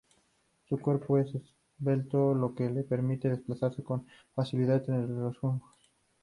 Su cuerpo es esbelto lo que le permite desplazarse con facilidad entre los juncos.